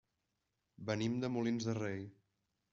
Venim de Molins de Rei.